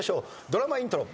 ドラマイントロ。